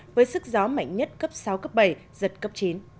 với sức gió mạnh nhất cấp sáu cấp bảy giật cấp chín